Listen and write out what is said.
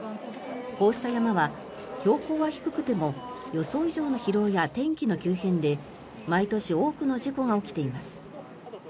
こうした山は標高は低くても予想以上の疲労や天気の急変で毎年多くの事故が起きています。